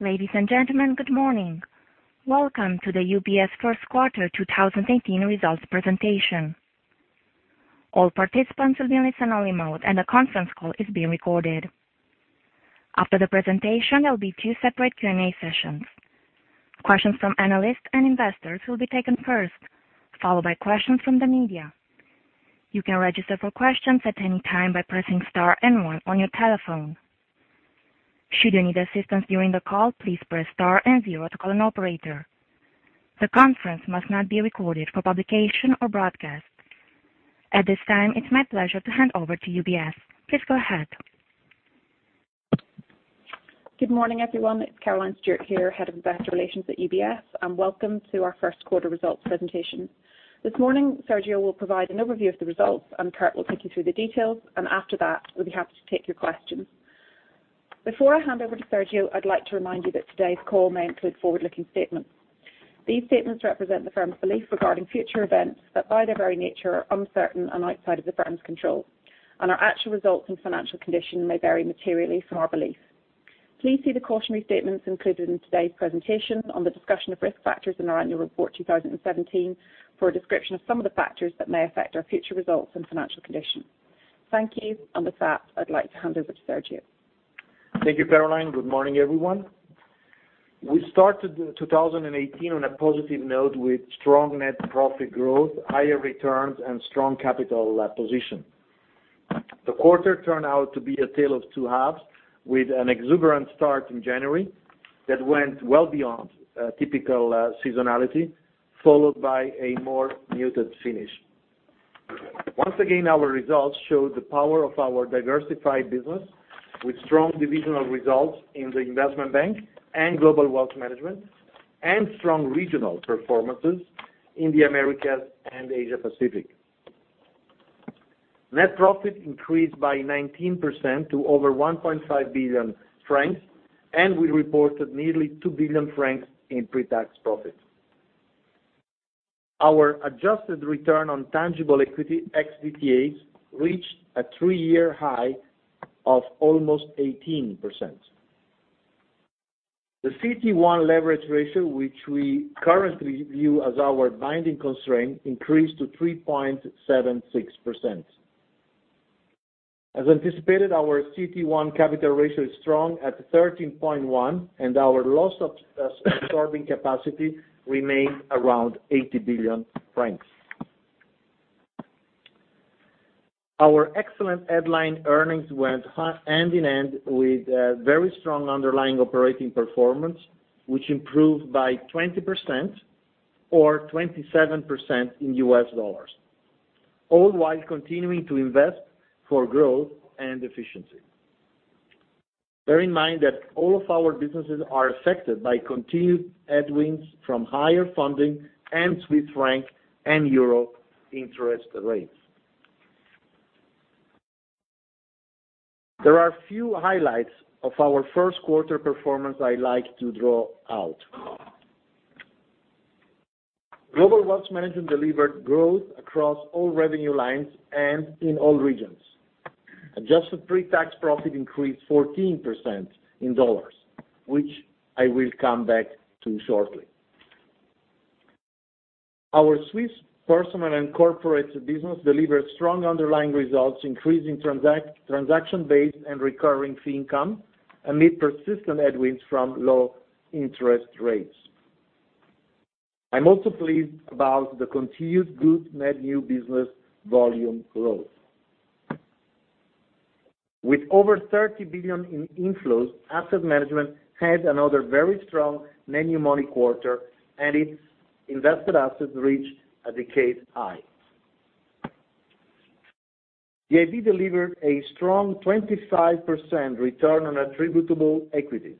Ladies and gentlemen, good morning. Welcome to the UBS Q1 2018 Results Presentation. All participants will be in listen-only mode, and the conference call is being recorded. After the presentation, there'll be two separate Q&A sessions. Questions from analysts and investors will be taken first, followed by questions from the media. You can register for questions at any time by pressing star and one on your telephone. Should you need assistance during the call, please press star and zero to call an operator. The conference must not be recorded for publication or broadcast. At this time, it's my pleasure to hand over to UBS. Please go ahead. Good morning, everyone. It's Caroline Stewart here, Head of Investor Relations at UBS, and welcome to our Q1 results presentation. This morning, Sergio will provide an overview of the results, and Kirt will take you through the details, and after that, we'll be happy to take your questions. Before I hand over to Sergio, I'd like to remind you that today's call may include forward-looking statements. These statements represent the firm's belief regarding future events that, by their very nature, are uncertain and outside of the firm's control, and our actual results and financial condition may vary materially from our belief. Please see the cautionary statements included in today's presentation on the discussion of risk factors in our annual report 2017 for a description of some of the factors that may affect our future results and financial condition. Thank you, and with that, I'd like to hand over to Sergio. Thank you, Caroline. Good morning, everyone. We started 2018 on a positive note with strong net profit growth, higher returns, and strong capital position. The quarter turned out to be a tale of two halves, with an exuberant start in January that went well beyond typical seasonality, followed by a more muted finish. Once again, our results show the power of our diversified business with strong divisional results in the Investment Bank and Global Wealth Management and strong regional performances in the Americas and Asia Pacific. Net profit increased by 19% to over 1.5 billion francs, and we reported nearly 2 billion francs in pre-tax profit. Our adjusted return on tangible equity, ex-DTA, reached a three-year high of almost 18%. The CET1 leverage ratio, which we currently view as our binding constraint, increased to 3.76%. As anticipated, our CET1 capital ratio is strong at 13.1%, and our loss absorbing capacity remains around CHF 80 billion. Our excellent headline earnings went hand in hand with very strong underlying operating performance, which improved by 20% or 27% in U.S. dollars, all while continuing to invest for growth and efficiency. Bear in mind that all of our businesses are affected by continued headwinds from higher funding and Swiss franc and euro interest rates. There are a few highlights of our Q1 performance I'd like to draw out. Global Wealth Management delivered growth across all revenue lines and in all regions. Adjusted pre-tax profit increased 14% in dollars, which I will come back to shortly. Our Swiss Personal & Corporate Banking business delivered strong underlying results, increasing transaction-based and recurring fee income amid persistent headwinds from low-interest rates. I'm also pleased about the continued good net new business volume growth. With over 30 billion in inflows, Asset Management had another very strong net new money quarter, and its invested assets reached a decade high. The IB delivered a strong 25% return on attributable equity.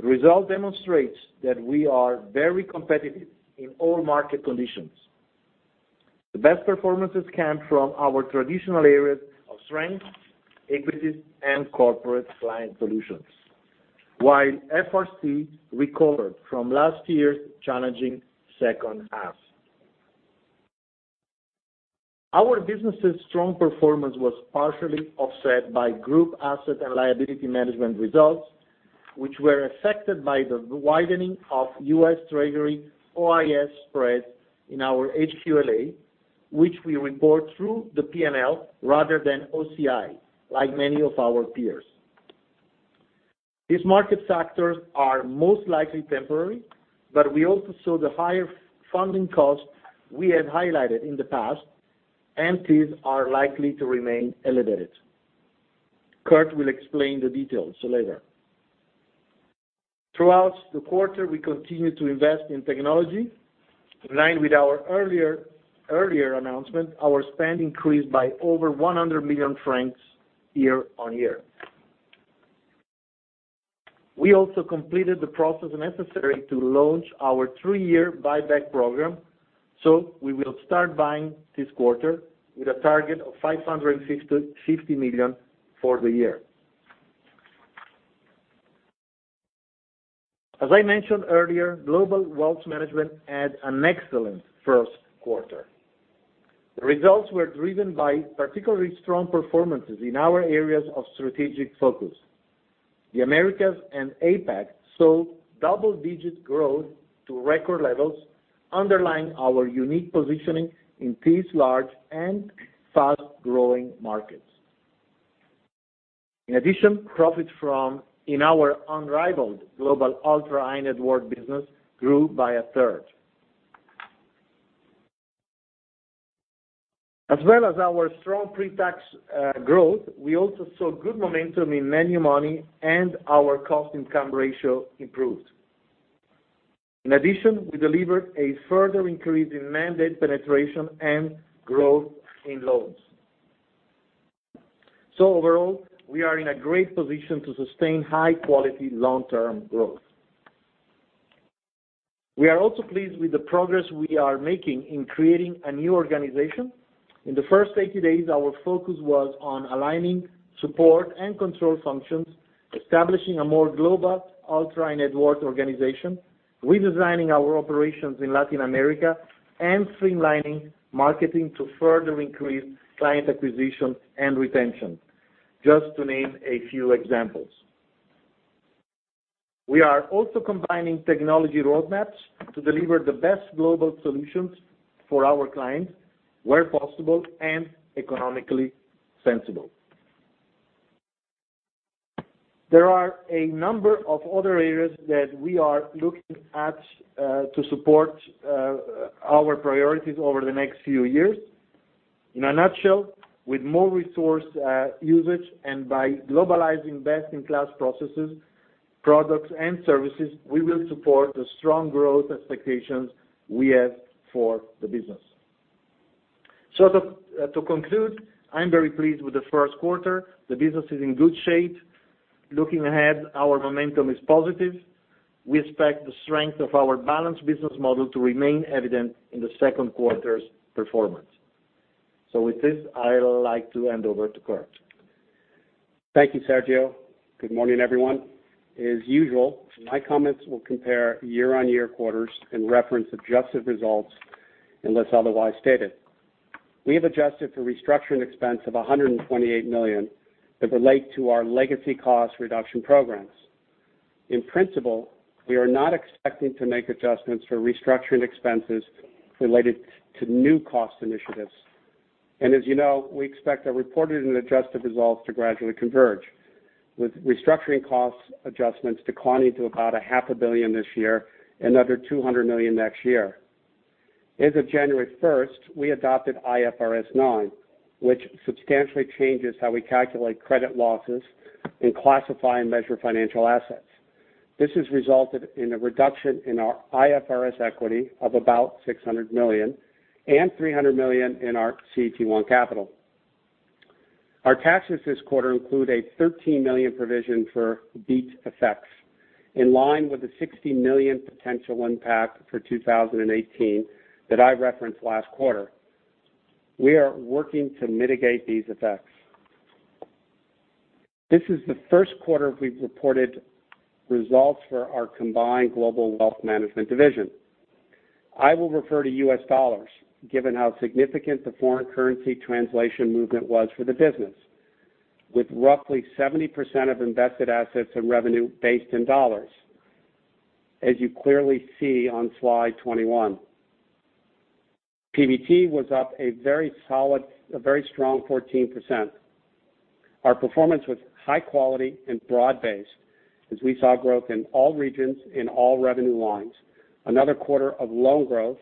The result demonstrates that we are very competitive in all market conditions. The best performances came from our traditional areas of strength, equities and Corporate Client Solutions. While FICC recovered from last year's challenging H2. Our business' strong performance was partially offset by Group Asset and Liability Management results, which were affected by the widening of U.S. Treasury OIS spreads in our HQLA, which we report through the P&L rather than OCI, like many of our peers. These market factors are most likely temporary, but we also saw the higher funding costs we had highlighted in the past, and these are likely to remain elevated. Kirt will explain the details later. Throughout the quarter, we continued to invest in technology. In line with our earlier announcement, our spend increased by over 100 million francs year-over-year. We also completed the process necessary to launch our three-year buyback program, so we will start buying this quarter with a target of 550 million for the year. As I mentioned earlier, Global Wealth Management had an excellent Q1. The results were driven by particularly strong performances in our areas of strategic focus. The Americas and APAC saw double-digit growth to record levels, underlying our unique positioning in these large and fast-growing markets. In addition, profit from in our unrivaled global ultra-high-net-worth business grew by a third. As well as our strong pre-tax growth, we also saw good momentum in net new money, and our cost-income ratio improved. In addition, we delivered a further increase in mandate penetration and growth in loans. So overall, we are in a great position to sustain high-quality, long-term growth. We are also pleased with the progress we are making in creating a new organization. In the first 80 days, our focus was on aligning support and control functions, establishing a more global ultra-high-net-worth organization, redesigning our operations in Latin America, and streamlining marketing to further increase client acquisition and retention, just to name a few examples. We are also combining technology roadmaps to deliver the best global solutions for our clients where possible and economically sensible. There are a number of other areas that we are looking at to support our priorities over the next few years. In a nutshell, with more resource usage and by globalizing best-in-class processes, products, and services, we will support the strong growth expectations we have for the business. To conclude, I am very pleased with the Q1. The business is in good shape. Looking ahead, our momentum is positive. We expect the strength of our balanced business model to remain evident in the Q2's performance. With this, I would like to hand over to Kirt. Thank you, Sergio. Good morning, everyone. As usual, my comments will compare year-on-year quarters and reference adjusted results unless otherwise stated. We have adjusted for restructuring expense of 128 million that relate to our legacy cost-reduction programs. In principle, we are not expecting to make adjustments for restructuring expenses related to new cost initiatives. As you know, we expect our reported and adjusted results to gradually converge, with restructuring cost adjustments declining to about a half a billion CHF this year and under 200 million next year. As of January 1st, we adopted IFRS 9, which substantially changes how we calculate credit losses and classify and measure financial assets. This has resulted in a reduction in our IFRS equity of about 600 million and 300 million in our CET1 capital. Our taxes this quarter include a 13 million provision for BEAT effects, in line with the 60 million potential impact for 2018 that I referenced last quarter. We are working to mitigate these effects. This is the Q1 we've reported results for our combined Global Wealth Management division. I will refer to U.S. dollars, given how significant the foreign currency translation movement was for the business, with roughly 70% of invested assets and revenue based in $, as you clearly see on slide 21. PBT was up a very strong 14%. Our performance was high quality and broad-based, as we saw growth in all regions, in all revenue lines, another quarter of loan growth,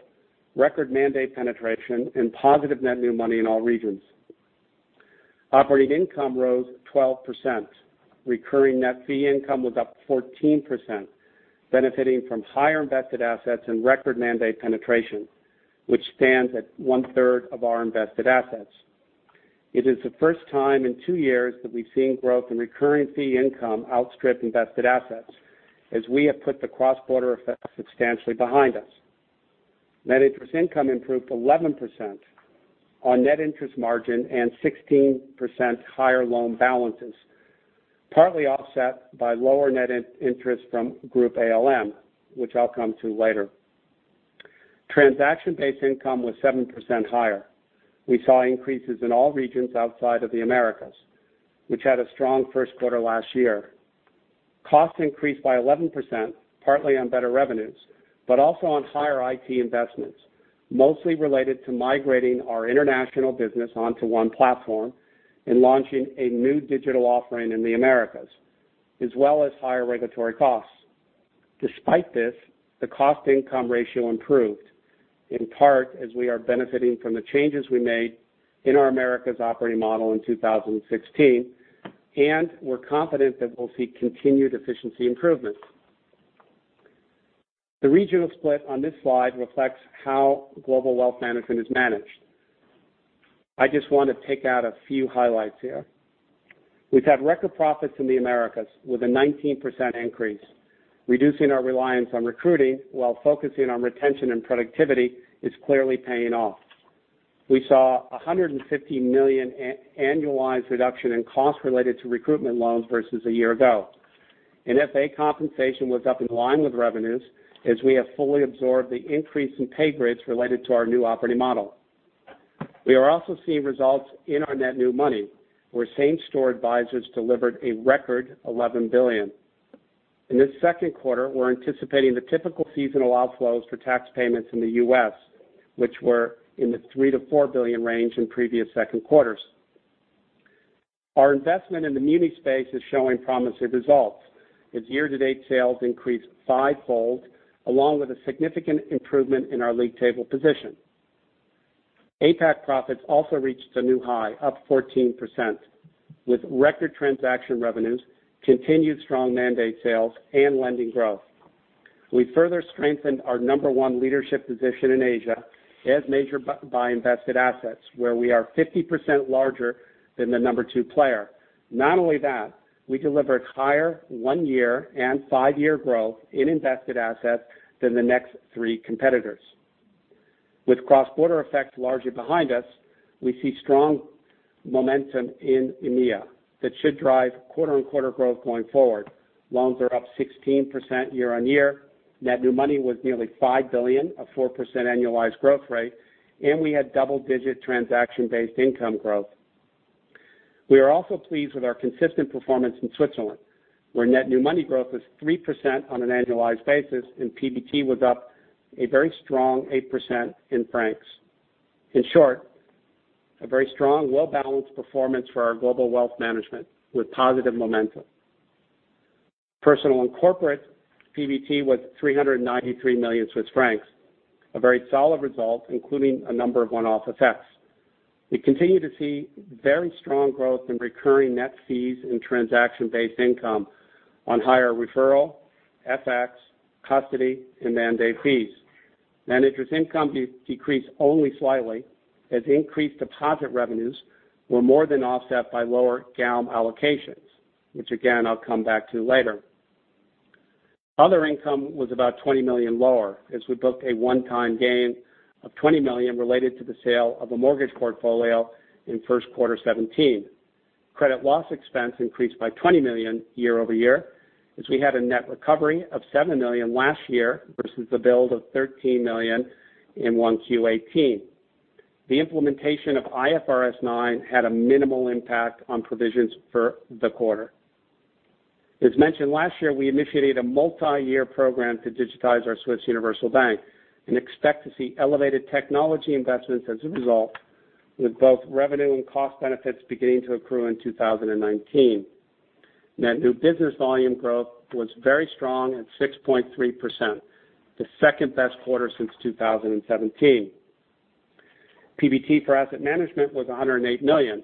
record mandate penetration, and positive net new money in all regions. Operating income rose 12%. Recurring net fee income was up 14%, benefiting from higher invested assets and record mandate penetration, which stands at one-third of our invested assets. It is the first time in two years that we've seen growth in recurring fee income outstrip invested assets, as we have put the cross-border effect substantially behind us. Net interest income improved 11% on net interest margin and 16% higher loan balances, partly offset by lower net interest from Group ALM, which I'll come to later. Transaction-based income was 7% higher. We saw increases in all regions outside of the Americas, which had a strong Q1 last year. Costs increased by 11%, partly on better revenues, but also on higher IT investments, mostly related to migrating our international business onto one platform and launching a new digital offering in the Americas, as well as higher regulatory costs. Despite this, the cost-to-income ratio improved, in part, as we are benefiting from the changes we made in our Americas operating model in 2016, and we're confident that we'll see continued efficiency improvements. The regional split on this slide reflects how Global Wealth Management is managed. I just want to pick out a few highlights here. We've had record profits in the Americas with a 19% increase. Reducing our reliance on recruiting while focusing on retention and productivity is clearly paying off. We saw 150 million annualized reduction in costs related to recruitment loans versus a year ago. FA compensation was up in line with revenues as we have fully absorbed the increase in pay grades related to our new operating model. We are also seeing results in our net new money, where same-store advisors delivered a record 11 billion. In this Q2, we're anticipating the typical seasonal outflows for tax payments in the U.S., which were in the 3 billion-4 billion range in previous Q2s. Our investment in the muni space is showing promising results, as year-to-date sales increased fivefold along with a significant improvement in our lead table position. APAC profits also reached a new high, up 14%, with record transaction revenues, continued strong mandate sales, and lending growth. We further strengthened our number one leadership position in Asia, as measured by invested assets, where we are 50% larger than the number two player. Not only that, we delivered higher one-year and five-year growth in invested assets than the next three competitors. With cross-border effects largely behind us, we see strong momentum in EMEA that should drive quarter-on-quarter growth going forward. Loans are up 16% year-on-year. Net new money was nearly 5 billion, a 4% annualized growth rate, we had double-digit transaction-based income growth. We are also pleased with our consistent performance in Switzerland, where net new money growth was 3% on an annualized basis, and PBT was up a very strong 8% in CHF. In short, a very strong, well-balanced performance for our Global Wealth Management with positive momentum. Personal & Corporate Banking PBT was 393 million Swiss francs, a very solid result, including a number of one-off effects. We continue to see very strong growth in recurring net fees and transaction-based income on higher referral, FX, custody, and mandate fees. Net interest income decreased only slightly as increased deposit revenues were more than offset by lower ALM allocations, which again, I'll come back to later. Other income was about 20 million lower as we booked a one-time gain of 20 million related to the sale of a mortgage portfolio in Q1 2017. Credit loss expense increased by 20 million year-over-year as we had a net recovery of 7 million last year versus the build of 13 million in 1Q18. The implementation of IFRS 9 had a minimal impact on provisions for the quarter. As mentioned last year, we initiated a multi-year program to digitize our Swiss Universal Bank and expect to see elevated technology investments as a result, with both revenue and cost benefits beginning to accrue in 2019. Net new business volume growth was very strong at 6.3%, the second-best quarter since 2017. PBT for asset management was 108 million,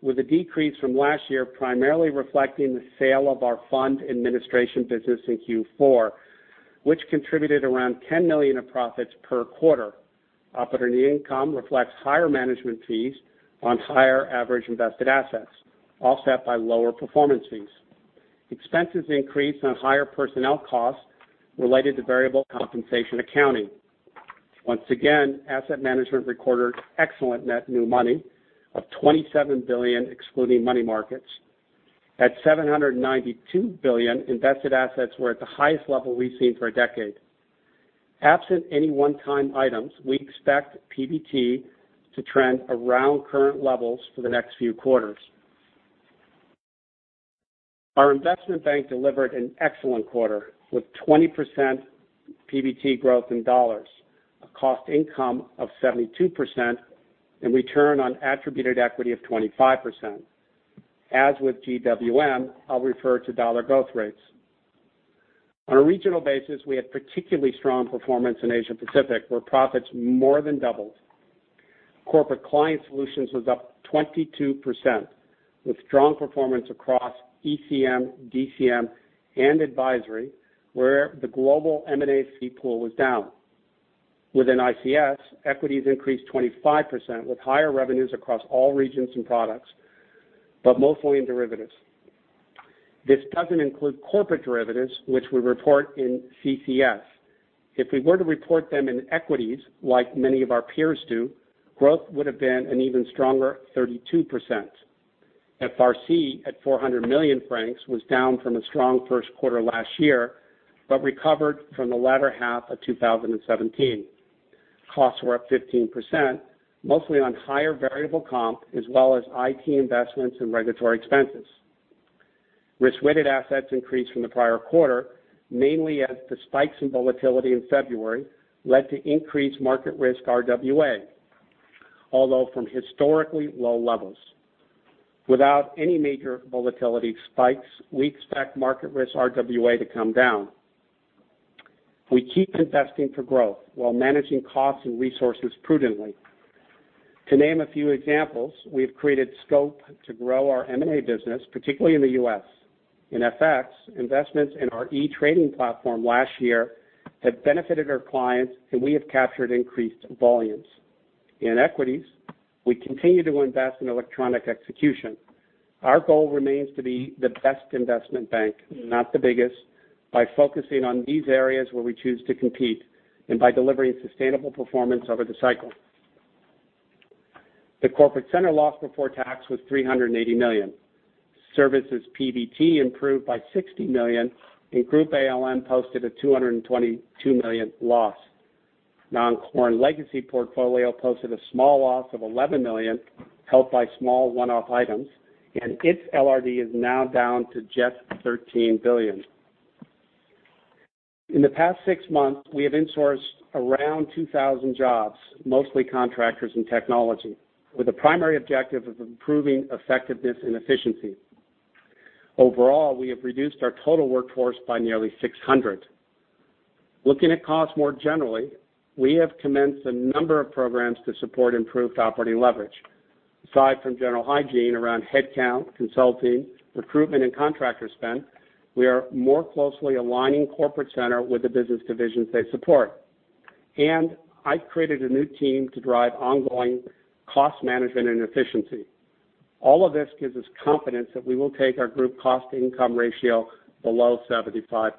with a decrease from last year primarily reflecting the sale of our fund administration business in Q4, which contributed around 10 million of profits per quarter. Operating income reflects higher management fees on higher average invested assets, offset by lower performance fees. Expenses increased on higher personnel costs related to variable compensation accounting. Once again, asset management recorded excellent net new money of 27 billion, excluding money markets. At 792 billion, invested assets were at the highest level we've seen for a decade. Absent any one-time items, we expect PBT to trend around current levels for the next few quarters. Our investment bank delivered an excellent quarter with 20% PBT growth in U.S. dollars, a cost income of 72%, and return on attributed equity of 25%. As with GWM, I'll refer to U.S. dollar growth rates. On a regional basis, we had particularly strong performance in Asia Pacific, where profits more than doubled. Corporate Client Solutions was up 22%, with strong performance across ECM, DCM, and advisory, where the global M&A fee pool was down. Within ICS, equities increased 25% with higher revenues across all regions and products, but mostly in derivatives. This doesn't include corporate derivatives, which we report in CCS. If we were to report them in equities, like many of our peers do, growth would have been an even stronger 32%. FRC, at 400 million francs, was down from a strong Q1 last year, but recovered from the latter half of 2017. Costs were up 15%, mostly on higher variable comp, as well as IT investments and regulatory expenses. Risk-weighted assets increased from the prior quarter, mainly as the spikes in volatility in February led to increased market risk RWA, although from historically low levels. Without any major volatility spikes, we expect market risk RWA to come down. We keep investing for growth while managing costs and resources prudently. To name a few examples, we have created scope to grow our M&A business, particularly in the U.S. In FX, investments in our e-trading platform last year have benefited our clients, and we have captured increased volumes. In equities, we continue to invest in electronic execution. Our goal remains to be the best investment bank, not the biggest, by focusing on these areas where we choose to compete and by delivering sustainable performance over the cycle. The Corporate Center loss before tax was 380 million. Services PBT improved by 60 million, and Group ALM posted a 222 million loss. Non-core and Legacy portfolio posted a small loss of 11 million, helped by small one-off items, and its LRD is now down to just 13 billion. In the past six months, we have insourced around 2,000 jobs, mostly contractors in technology, with the primary objective of improving effectiveness and efficiency. Overall, we have reduced our total workforce by nearly 600. Looking at cost more generally, we have commenced a number of programs to support improved operating leverage. Aside from general hygiene around headcount, consulting, recruitment, and contractor spend, we are more closely aligning Corporate Center with the business divisions they support. And I created a new team to drive ongoing cost management and efficiency. All of this gives us confidence that we will take our group cost-to-income ratio below 75%.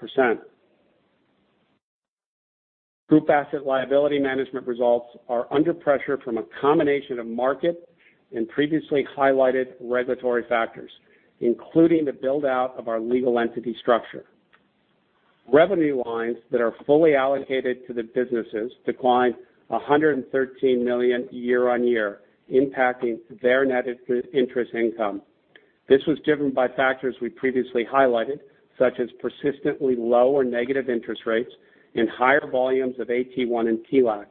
Group Asset and Liability Management results are under pressure from a combination of market and previously highlighted regulatory factors, including the build-out of our legal entity structure. Revenue lines that are fully allocated to the businesses declined 113 million year-on-year, impacting their net interest income. This was driven by factors we previously highlighted, such as persistently low or negative interest rates and higher volumes of AT1 and TLAC.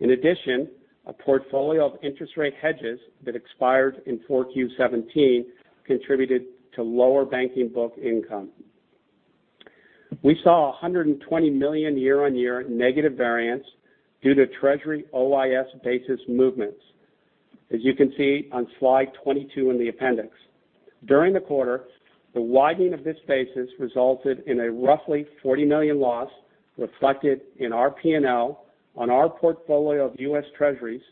In addition, a portfolio of interest rate hedges that expired in 4Q 2017 contributed to lower banking book income. We saw 120 million year-on-year negative variance due to Treasury OIS basis movements. As you can see on slide 22 in the appendix. During the quarter, the widening of this basis resulted in a roughly 40 million loss reflected in our P&L on our portfolio of U.S. Treasuries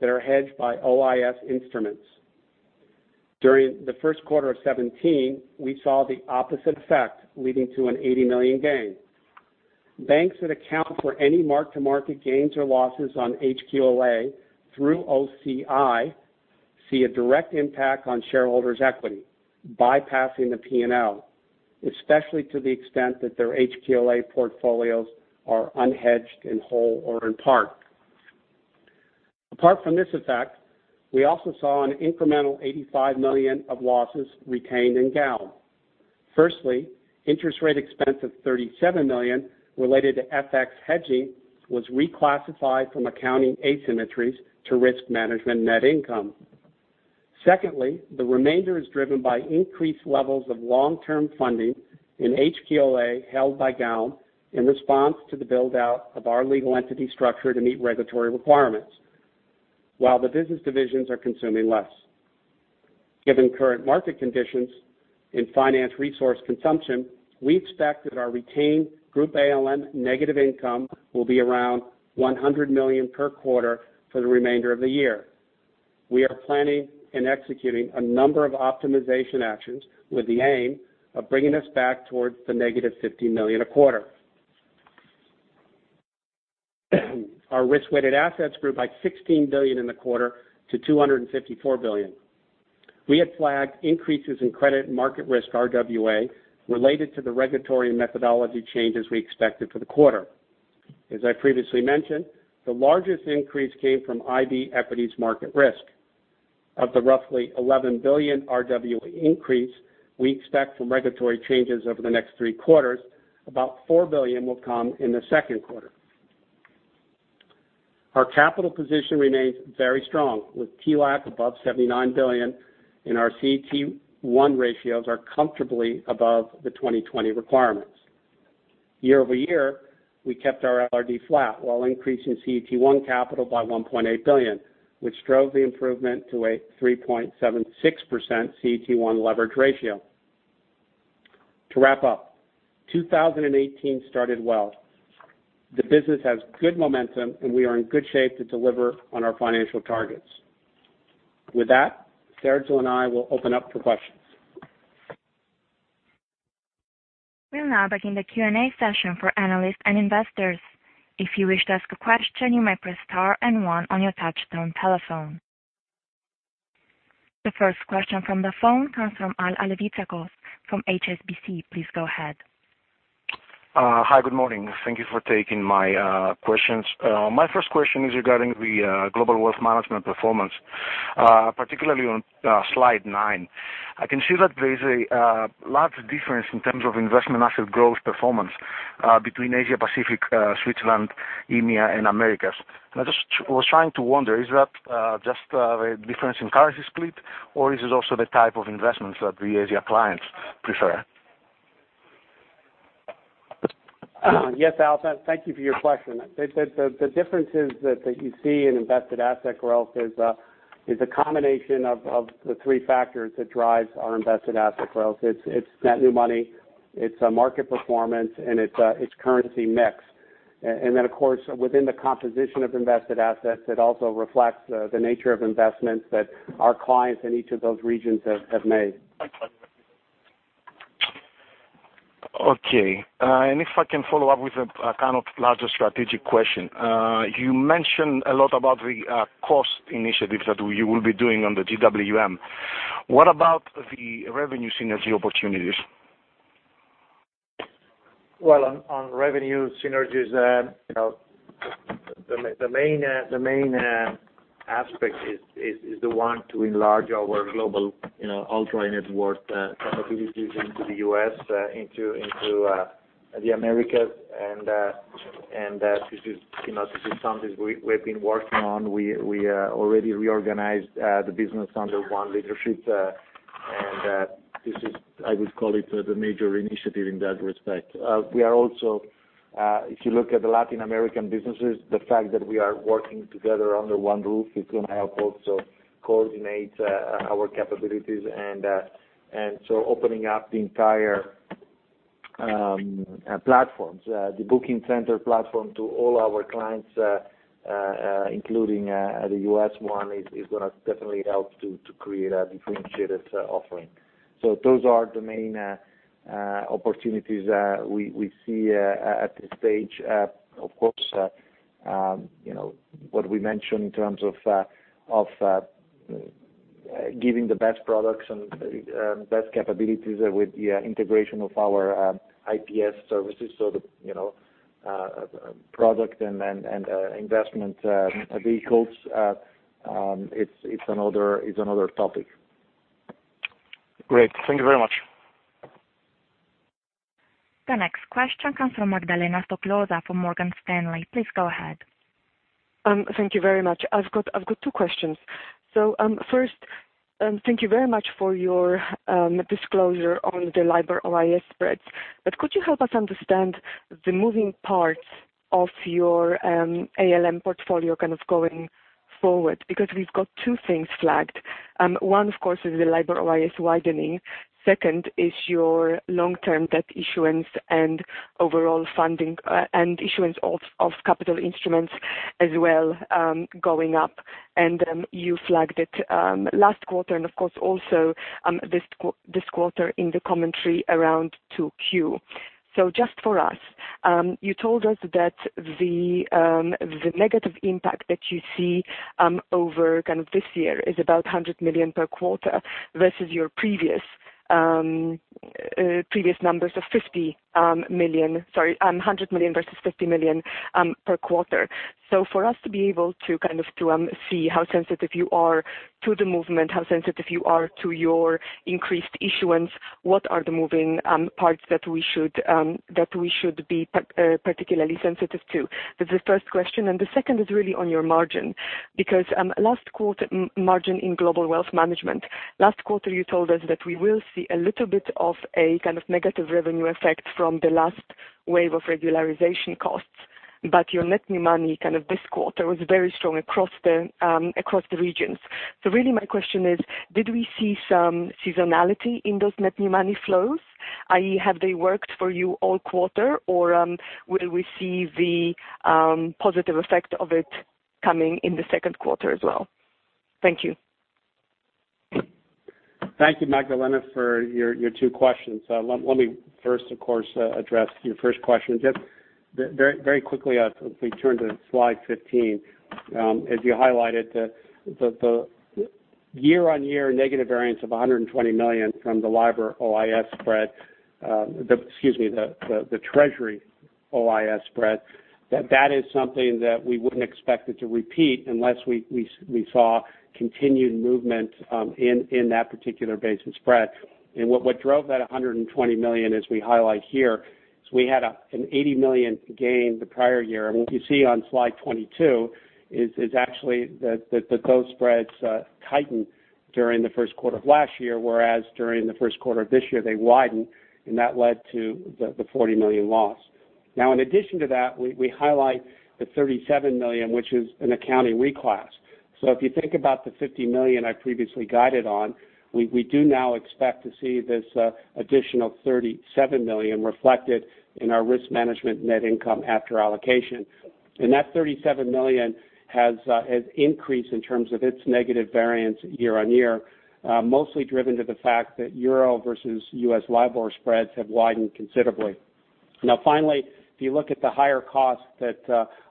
that are hedged by OIS instruments. During the Q1 of 2017, we saw the opposite effect, leading to an 80 million gain. Banks that account for any mark-to-market gains or losses on HQLA through OCI see a direct impact on shareholders' equity, bypassing the P&L, especially to the extent that their HQLA portfolios are unhedged in whole or in part. Apart from this effect, we also saw an incremental 85 million of losses retained in GAL. Firstly, interest rate expense of 37 million related to FX hedging was reclassified from accounting asymmetries to risk management net income. Secondly, the remainder is driven by increased levels of long-term funding in HQLA held by GAL in response to the build-out of our legal entity structure to meet regulatory requirements, while the business divisions are consuming less. Given current market conditions in finance resource consumption, we expect that our retained Group ALM negative income will be around 100 million per quarter for the remainder of the year. We are planning and executing a number of optimization actions with the aim of bringing us back towards the negative 50 million a quarter. Our risk-weighted assets grew by 16 billion in the quarter to 254 billion. We had flagged increases in credit market risk RWA related to the regulatory and methodology changes we expected for the quarter. As I previously mentioned, the largest increase came from IB equities market risk. Of the roughly 11 billion RWA increase we expect from regulatory changes over the next three quarters, about 4 billion will come in the Q2. Our capital position remains very strong, with TLAC above 79 billion, and our CET1 ratios are comfortably above the 2020 requirements. Year-over-year, we kept our LRD flat while increasing CET1 capital by 1.8 billion, which drove the improvement to a 3.76% CET1 leverage ratio. To wrap up, 2018 started well. The business has good momentum, and we are in good shape to deliver on our financial targets. With that, Sergio and I will open up for questions. We'll now begin the Q&A session for analysts and investors. If you wish to ask a question, you may press star and one on your touch-tone telephone. The first question from the phone comes from Al Alevizakos from HSBC. Please go ahead. Hi. Good morning. Thank you for taking my questions. My first question is regarding the Global Wealth Management performance, particularly on slide nine. I can see that there is a large difference in terms of investment asset growth performance between Asia-Pacific, Switzerland, EMEA, and Americas. I just was trying to wonder, is that just a difference in currency split, or is it also the type of investments that the Asia clients prefer? Yes, Al. Thank you for your question. The differences that you see in invested asset growth is a combination of the three factors that drives our invested asset growth. It's net new money, it's market performance, and it's currency mix. Then, of course, within the composition of invested assets, it also reflects the nature of investments that our clients in each of those regions have made. Okay. If I can follow up with a kind of larger strategic question. You mentioned a lot about the cost initiatives that you will be doing on the GWM. What about the revenue synergy opportunities? Well, on revenue synergies, the main aspect is the one to enlarge our global ultra-net worth capabilities into the U.S., into the Americas. This is something we've been working on. We already reorganized the business under one leadership, and this is, I would call it, the major initiative in that respect. If you look at the Latin American businesses, the fact that we are working together under one roof is going to help also coordinate our capabilities, opening up the entire platforms, the booking center platform to all our clients, including the U.S. one, is going to definitely help to create a differentiated offering. Those are the main opportunities we see at this stage. Of course, what we mentioned in terms of giving the best products and best capabilities with the integration of our IPS services, so the product and investment vehicles, it's another topic. Great. Thank you very much. The next question comes from Magdalena Toporzowa from Morgan Stanley. Please go ahead. Thank you very much. I've got two questions. First, thank you very much for your disclosure on the LIBOR-OIS spreads. Could you help us understand the moving parts of your Group ALM portfolio kind of going forward? We've got two things flagged. One, of course, is the LIBOR-OIS widening. Second is your long-term debt issuance and overall funding and issuance of capital instruments as well going up. You flagged it last quarter and, of course, also this quarter in the commentary around 2Q. Just for us, you told us that the negative impact that you see over this year is about 100 million per quarter versus your previous numbers of 50 million, sorry, 100 million versus 50 million per quarter. For us to be able to see how sensitive you are to the movement, how sensitive you are to your increased issuance, what are the moving parts that we should be particularly sensitive to? That's the first question. The second is really on your margin, last quarter's margin in Global Wealth Management, last quarter, you told us that we will see a little bit of a kind of negative revenue effect from the last wave of regularization costs. Your net new money this quarter was very strong across the regions. Really my question is, did we see some seasonality in those net new money flows? Have they worked for you all quarter, or will we see the positive effect of it coming in the Q2 as well? Thank you. Thank you, Magdalena, for your two questions. Let me first, of course, address your first question. Just very quickly, if we turn to slide 15. As you highlighted, the year-on-year negative variance of 120 million from the LIBOR-OIS spread, excuse me, the Treasury-OIS spread, that is something that we wouldn't expect it to repeat unless we saw continued movement in that particular basis spread. What drove that 120 million, as we highlight here, is we had an 80 million gain the prior year. What you see on slide 22 is actually that those spreads tightened during the Q1 of last year, whereas during the Q1 of this year, they widened, and that led to the 40 million loss. In addition to that, we highlight the 37 million, which is an accounting reclass. If you think about the 50 million I previously guided on, we do now expect to see this additional 37 million reflected in our risk management net income after allocation. That 37 million has increased in terms of its negative variance year-on-year, mostly driven to the fact that EUR versus U.S. LIBOR spreads have widened considerably. Finally, if you look at the higher costs that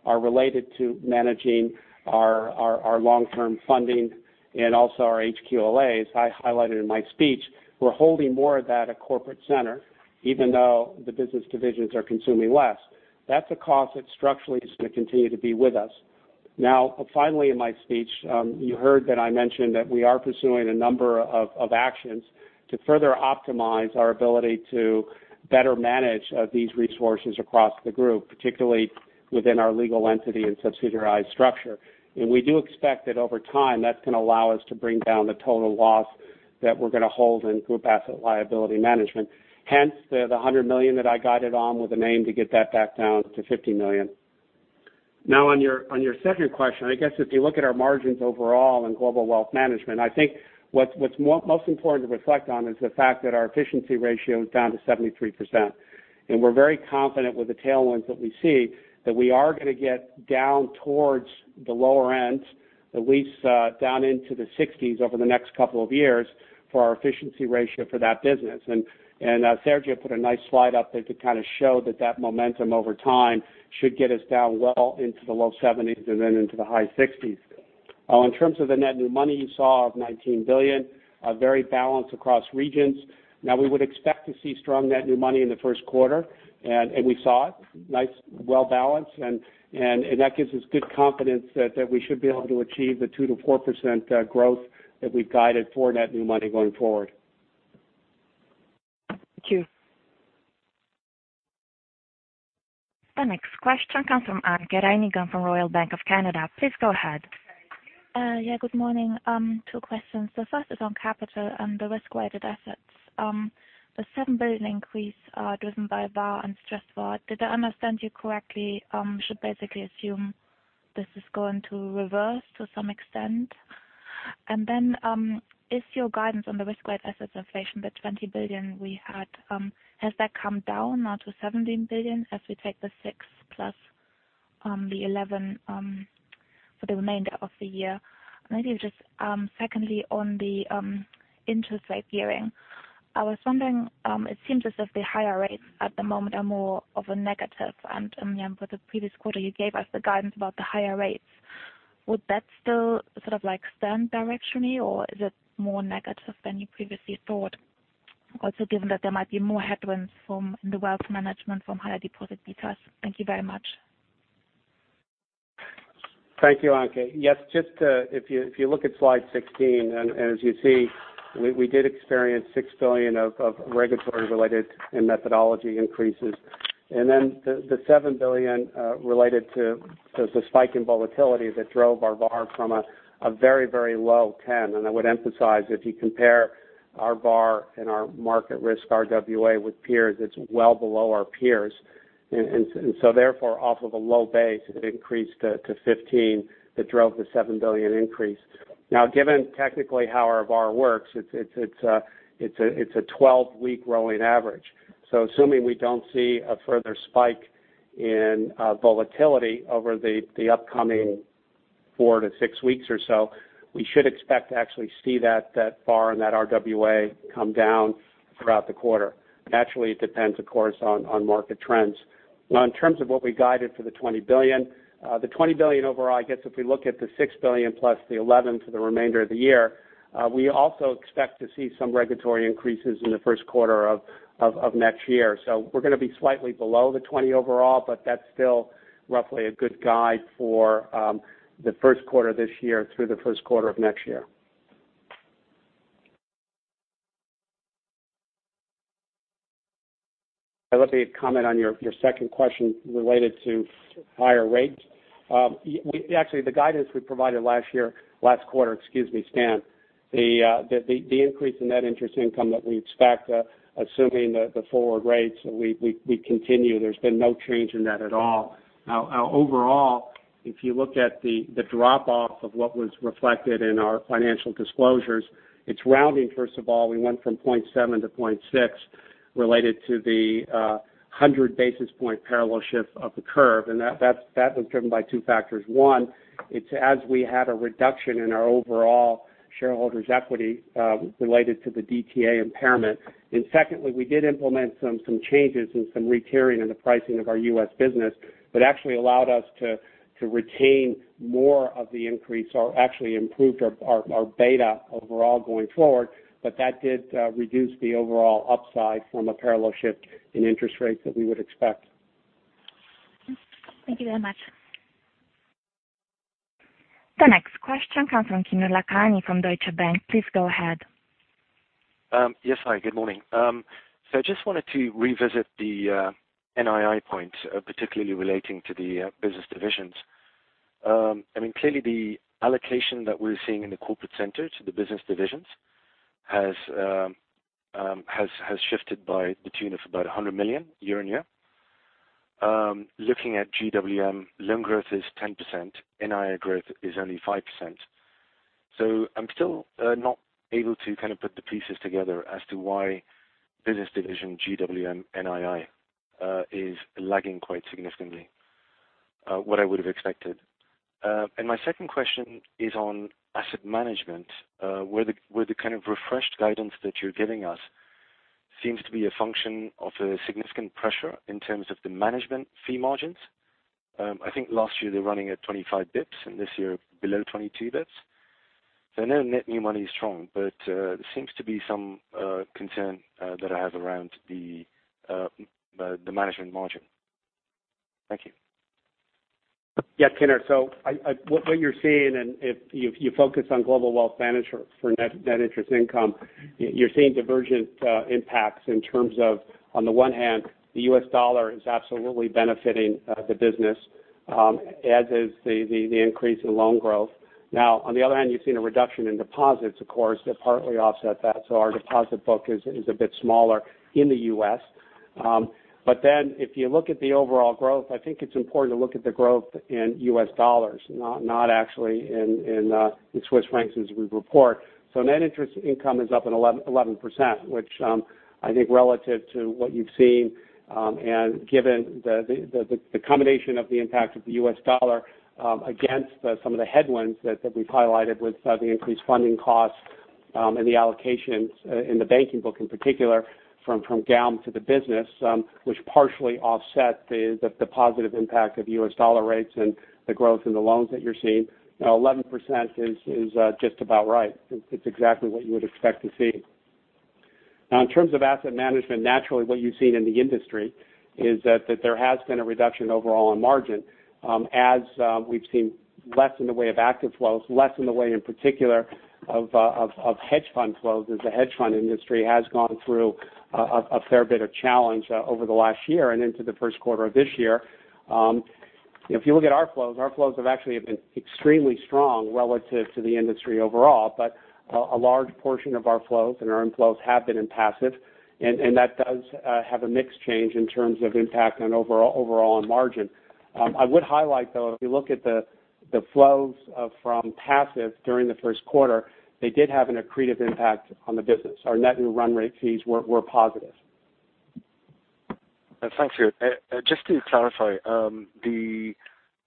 are related to managing our long-term funding and also our HQLA, as I highlighted in my speech, we're holding more of that at Corporate Center, even though the business divisions are consuming less. That's a cost that structurally is going to continue to be with us. Finally, in my speech, you heard that I mentioned that we are pursuing a number of actions to further optimize our ability to better manage these resources across the group, particularly within our legal entity and subsidiary structure. We do expect that over time, that's going to allow us to bring down the total loss that we're going to hold in Group ALM. Hence, the 100 million that I guided on with an aim to get that back down to 50 million. On your second question, I guess if you look at our margins overall in Global Wealth Management, I think what's most important to reflect on is the fact that our efficiency ratio is down to 73%. We're very confident with the tailwinds that we see that we are going to get down towards the lower end, at least down into the 60s over the next couple of years for our efficiency ratio for that business. Sergio put a nice slide up there to kind of show that that momentum over time should get us down well into the low 70s and then into the high 60s. In terms of the net new money you saw of 19 billion, very balanced across regions. We would expect to see strong net new money in the Q1, and we saw it. Nice, well-balanced, that gives us good confidence that we should be able to achieve the 2%-4% growth that we've guided for net new money going forward. Thank you. The next question comes from Anke Reingen from Royal Bank of Canada. Please go ahead. Thank you. Yeah, good morning. Two questions. The first is on capital and the risk-weighted assets. The 7 billion increase are driven by VaR and stress VaR. Did I understand you correctly, we should basically assume this is going to reverse to some extent? Then, is your guidance on the risk-weighted assets inflation, the 20 billion we had, has that come down now to 17 billion as we take the six plus the 11 for the remainder of the year? Maybe just secondly, on the interest rate gearing. I was wondering, it seems as if the higher rates at the moment are more of a negative. For the previous quarter, you gave us the guidance about the higher rates. Would that still sort of like stand directionally, or is it more negative than you previously thought? Also given that there might be more headwinds in the wealth management from higher deposit betas. Thank you very much. Thank you, Anke. If you look at slide 16, as you see, we did experience 6 billion of regulatory-related and methodology increases. The 7 billion related to the spike in volatility that drove our VaR from a very low 10. I would emphasize, if you compare our VaR and our market risk RWA with peers, it's well below our peers. Therefore, off of a low base, it increased to 15, that drove the CHF 7 billion increase. Given technically how our VaR works, it's a 12-week rolling average. Assuming we don't see a further spike in volatility over the upcoming four to six weeks or so, we should expect to actually see that VaR and that RWA come down throughout the quarter. Naturally, it depends, of course, on market trends. In terms of what we guided for the 20 billion. The 20 billion overall, I guess if we look at the 6 billion plus the 11 billion for the remainder of the year, we also expect to see some regulatory increases in the Q1 of next year. We're going to be slightly below the 20 billion overall, but that's still roughly a good guide for the Q1 this year through the Q1 of next year. Let me comment on your second question related to higher rates. Actually, the guidance we provided last quarter, stands the increase in net interest income that we expect, assuming the forward rates, we continue. There's been no change in that at all. Overall, if you look at the drop-off of what was reflected in our financial disclosures, it's rounding, first of all. We went from 0.7 to 0.6 related to the 100-basis point parallel shift of the curve, that was driven by two factors. One, as we had a reduction in our overall shareholders' equity related to the DTA impairment. Secondly, we did implement some changes and some retiering in the pricing of our U.S. business that actually allowed us to retain more of the increase or actually improved our beta overall going forward. That did reduce the overall upside from a parallel shift in interest rates that we would expect. Thank you very much. The next question comes from Kinner Lakhani from Deutsche Bank. Please go ahead. Yes, hi. Good morning. I just wanted to revisit the NII point, particularly relating to the business divisions. Clearly the allocation that we're seeing in the Corporate Center to the business divisions has shifted by the tune of about 100 million year-on-year. Looking at GWM, loan growth is 10%, NII growth is only 5%. I'm still not able to kind of put the pieces together as to why business division GWM NII is lagging quite significantly what I would have expected. My second question is on Asset Management, where the kind of refreshed guidance that you're giving us seems to be a function of a significant pressure in terms of the management fee margins. I think last year they were running at 25 basis points, this year below 22 basis points. I know net new money is strong, there seems to be some concern that I have around the management margin. Thank you. Yeah, Kinner. What you're seeing, if you focus on Global Wealth Management for net interest income, you're seeing divergent impacts in terms of, on the one hand, the U.S. dollar is absolutely benefiting the business, as is the increase in loan growth. On the other hand, you're seeing a reduction in deposits, of course, that partly offset that. Our deposit book is a bit smaller in the U.S. If you look at the overall growth, I think it's important to look at the growth in U.S. dollars, not actually in Swiss francs as we report. Net interest income is up 11%, which I think relative to what you've seen, given the combination of the impact of the U.S. U.S. dollar against some of the headwinds that we've highlighted with the increased funding costs and the allocations in the banking book in particular from GALM to the business, which partially offset the positive impact of U.S. dollar rates and the growth in the loans that you're seeing. Now 11% is just about right. It's exactly what you would expect to see. In terms of asset management, naturally what you've seen in the industry is that there has been a reduction overall in margin. As we've seen less in the way of active flows, less in the way in particular of hedge fund flows as the hedge fund industry has gone through a fair bit of challenge over the last year and into the Q1 of this year. If you look at our flows, our flows have actually been extremely strong relative to the industry overall, a large portion of our flows and earn flows have been in passive, that does have a mix change in terms of impact on overall on margin. I would highlight though, if you look at the flows from passive during the Q1, they did have an accretive impact on the business. Our net new run rate fees were positive. Thank you.. Just to clarify, the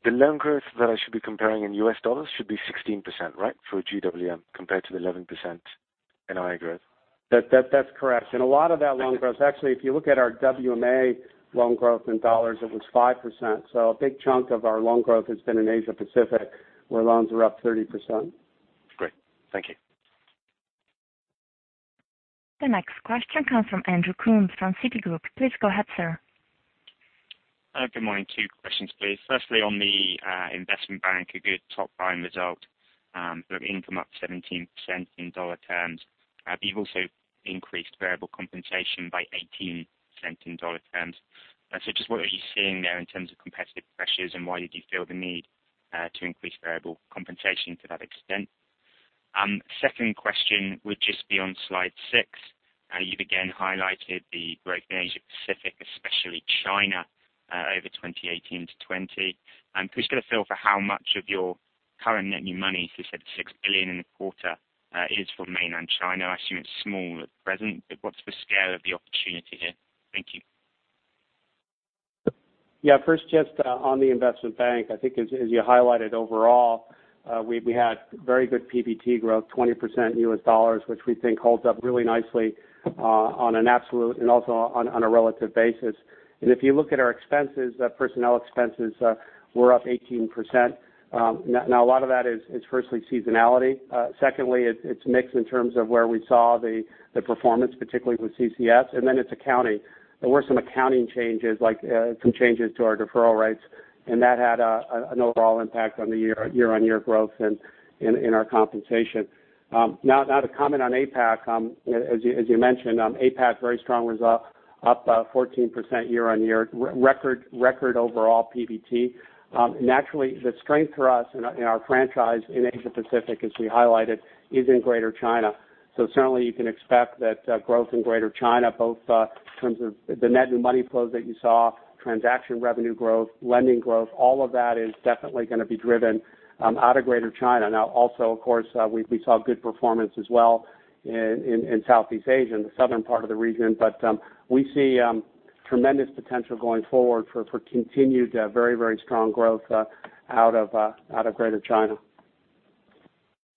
loan growth that I should be comparing in U.S. dollars should be 16%, right? For GWM, compared to the 11% in IAGR? That's correct. A lot of that loan growth, actually, if you look at our WMA loan growth in U.S. dollars, it was 5%. A big chunk of our loan growth has been in Asia Pacific, where loans are up 30%. Great. Thank you. The next question comes from Andrew Coombs from Citigroup. Please go ahead, sir. Good morning. Two questions, please. Firstly, on the investment bank, a good top-line result. You have income up 17% in CHF terms. You've also increased variable compensation by 18% in CHF terms. Just what are you seeing there in terms of competitive pressures, and why did you feel the need to increase variable compensation to that extent? Second question would just be on slide six. You've again highlighted the growth in Asia Pacific, especially China, over 2018 to 2020. Just get a feel for how much of your current net new money, you said it's 6 billion in the quarter, is from Mainland China. I assume it's small at present, but what's the scale of the opportunity here? Thank you. First, just on the investment bank, I think as you highlighted overall, we had very good PBT growth, 20% USD, which we think holds up really nicely on an absolute and also on a relative basis. If you look at our expenses, personnel expenses were up 18%. A lot of that is firstly seasonality. Secondly, it's mix in terms of where we saw the performance, particularly with CCS, and then it's accounting. There were some accounting changes, like some changes to our deferral rates, and that had an overall impact on the year-over-year growth in our compensation. To comment on APAC. As you mentioned, APAC, very strong, was up 14% year-over-year. Record overall PBT. Naturally, the strength for us in our franchise in Asia Pacific, as we highlighted, is in Greater China. Certainly you can expect that growth in Greater China, both in terms of the net new money flows that you saw, transaction revenue growth, lending growth, all of that is definitely going to be driven out of Greater China. Also, of course, we saw good performance as well in Southeast Asia and the southern part of the region. We see tremendous potential going forward for continued very strong growth out of Greater China.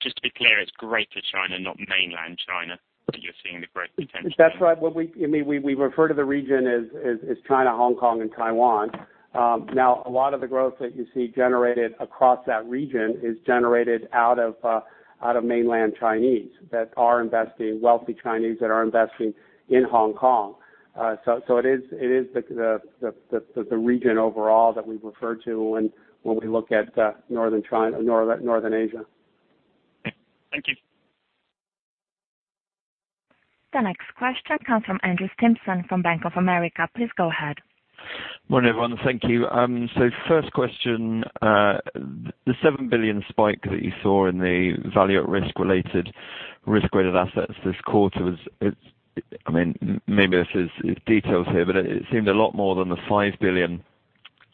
Just to be clear, it's Greater China, not Mainland China, that you're seeing the growth potential. That's right. We refer to the region as China, Hong Kong, and Taiwan. A lot of the growth that you see generated across that region is generated out of Mainland Chinese that are investing, wealthy Chinese that are investing in Hong Kong. It is the region overall that we refer to when we look at Northern Asia. Thank you. The next question comes from Andrew Stimpson from Bank of America. Please go ahead. Morning, everyone. Thank you. First question, the 7 billion spike that you saw in the VaR-related risk-weighted assets this quarter was, maybe this is details here, but it seemed a lot more than the 5 billion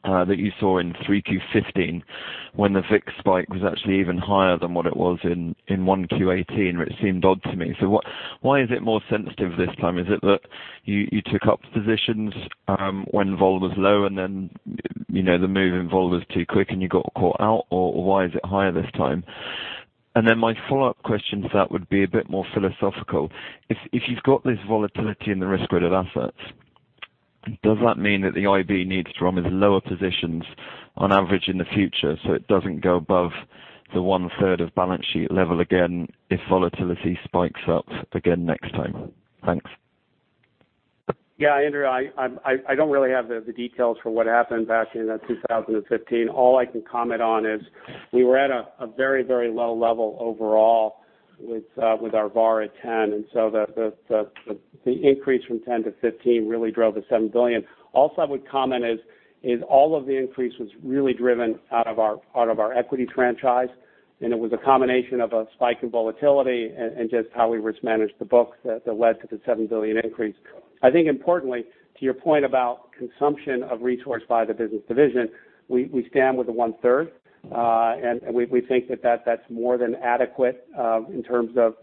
that you saw in 3Q15 when the FICC spike was actually even higher than what it was in 1Q18, which seemed odd to me. Why is it more sensitive this time? Is it that you took up positions when vol was low, and then the move in vol was too quick, and you got caught out, or why is it higher this time? My follow-up question to that would be a bit more philosophical. If you've got this volatility in the risk-weighted assets, does that mean that the IB needs to run with lower positions on average in the future so it doesn't go above the one-third of balance sheet level again if volatility spikes up again next time? Thanks. Andrew, I don't really have the details for what happened back in 2015. All I can comment on is we were at a very low level overall With our VaR at 10. The increase from 10 to 15 really drove the 7 billion. I would comment is, all of the increase was really driven out of our equity franchise, and it was a combination of a spike in volatility and just how we risk managed the books that led to the 7 billion increase. I think importantly, to your point about consumption of resource by the business division, we stand with the one-third, and we think that that's more than adequate, in terms of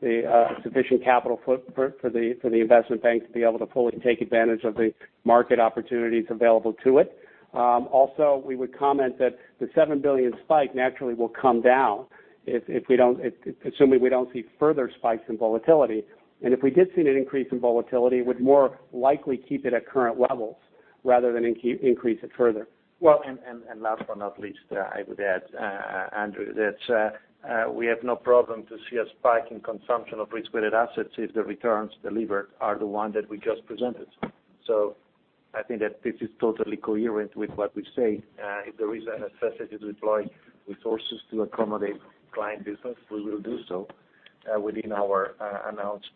the sufficient capital for the investment bank to be able to fully take advantage of the market opportunities available to it. We would comment that the 7 billion spike naturally will come down assuming we don't see further spikes in volatility. If we did see an increase in volatility, we'd more likely keep it at current levels rather than increase it further. Last but not least, I would add, Andrew, that we have no problem to see a spike in consumption of risk-weighted assets if the returns delivered are the one that we just presented. I think that this is totally coherent with what we've said. If there is a necessity to deploy resources to accommodate client business, we will do so within our announced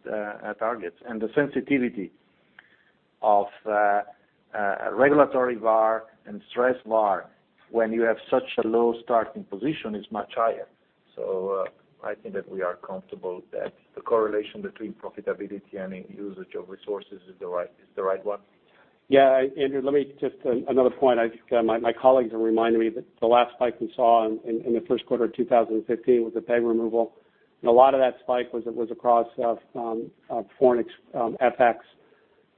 targets. The sensitivity of regulatory VaR and stress VaR, when you have such a low starting position, is much higher. I think that we are comfortable that the correlation between profitability and usage of resources is the right one. Andrew, another point. My colleagues are reminding me that the last spike we saw in the Q1 of 2015 was the peg removal. A lot of that spike was across foreign FX.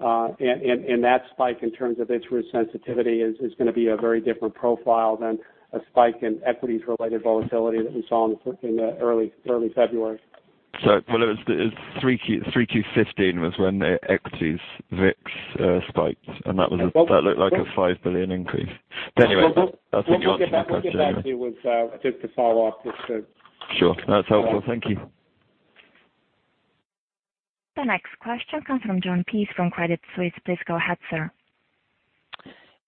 That spike, in terms of interest sensitivity, is going to be a very different profile than a spike in equities-related volatility that we saw in early February. It was 3Q 2015 was when the equities VIX spiked, that looked like a 5 billion increase. I think you answered the question anyway. We'll get back to you with just a follow-up. Sure. That's helpful. Thank you. The next question comes from Jon Peace from Credit Suisse. Please go ahead, sir.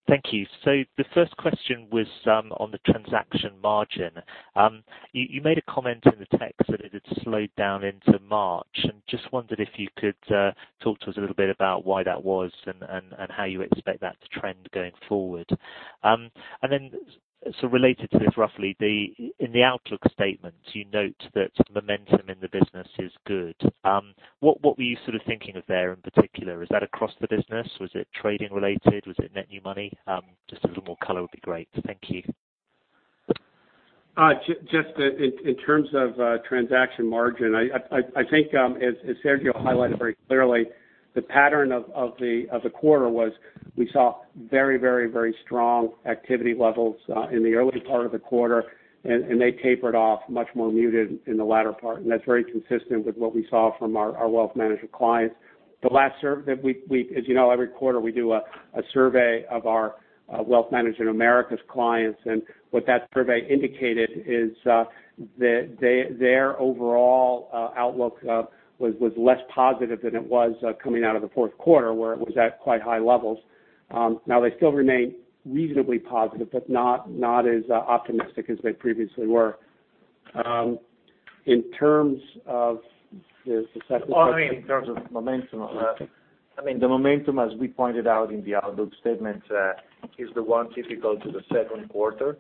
Thank you. The first question was on the transaction margin. You made a comment in the text that it had slowed down into March, just wondered if you could talk to us a little bit about why that was and how you expect that to trend going forward. Related to this roughly, in the outlook statement, you note that momentum in the business is good. What were you thinking of there in particular? Is that across the business? Was it trading related? Was it net new money? Just a little more color would be great. Thank you. Just in terms of transaction margin, I think as Sergio highlighted very clearly, the pattern of the quarter was we saw very strong activity levels in the early part of the quarter, and they tapered off much more muted in the latter part, and that's very consistent with what we saw from our wealth management clients. As you know, every quarter we do a survey of our Wealth Management Americas clients, and what that survey indicated is their overall outlook was less positive than it was coming out of the Q4, where it was at quite high levels. They still remain reasonably positive, but not as optimistic as they previously were. In terms of the second question. In terms of momentum, the momentum, as we pointed out in the outlook statement, is the one typical to the Q2.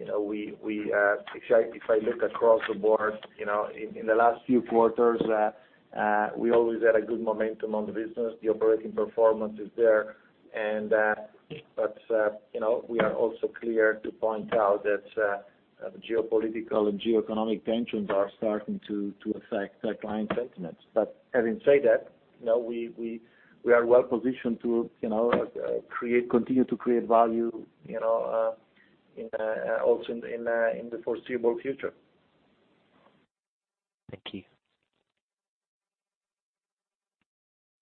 If I look across the board in the last few quarters, we always had a good momentum on the business. The operating performance is there. We are also clear to point out that geopolitical and geoeconomic tensions are starting to affect client sentiments. Having said that, we are well positioned to continue to create value also in the foreseeable future. Thank you.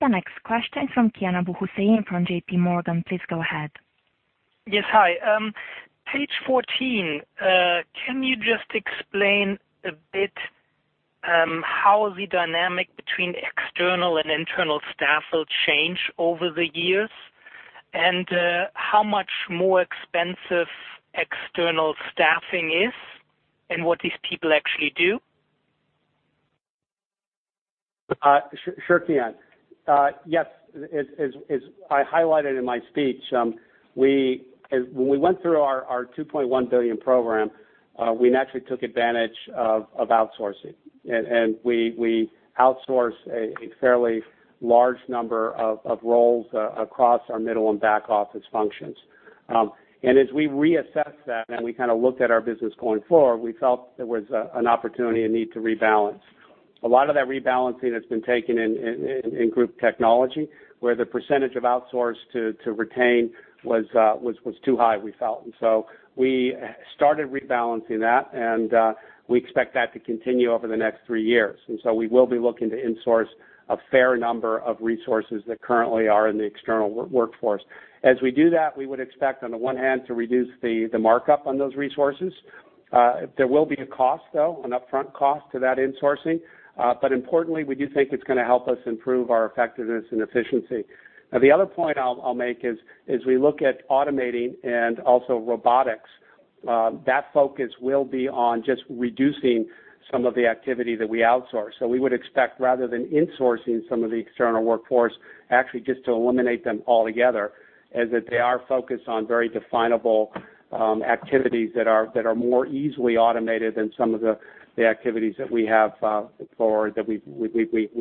The next question from Kian Abouhossein from JPMorgan. Please go ahead. Yes, hi. Page 14, can you just explain a bit how the dynamic between external and internal staff will change over the years, and how much more expensive external staffing is, and what these people actually do? Sure, Kian. Yes, as I highlighted in my speech, when we went through our 2.1 billion program, we naturally took advantage of outsourcing. We outsourced a fairly large number of roles across our middle and back-office functions. As we reassessed that and we looked at our business going forward, we felt there was an opportunity and need to rebalance. A lot of that rebalancing has been taken in Group Technology, where the percentage of outsource to retain was too high, we felt. We started rebalancing that, and we expect that to continue over the next three years. We will be looking to insource a fair number of resources that currently are in the external workforce. As we do that, we would expect, on the one hand, to reduce the markup on those resources. There will be a cost, though, an upfront cost to that insourcing. Importantly, we do think it's going to help us improve our effectiveness and efficiency. Now, the other point I'll make is we look at automating and also robotics. That focus will be on just reducing some of the activity that we outsource. We would expect, rather than insourcing some of the external workforce, actually just to eliminate them altogether, as they are focused on very definable activities that are more easily automated than some of the activities that we